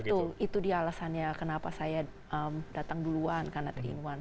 betul itu dia alasannya kenapa saya datang duluan karena teringuan